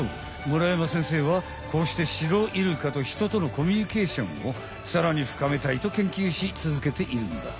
村山先生はこうしてシロイルカとひととのコミュニケーションをさらにふかめたいとけんきゅうしつづけているんだ。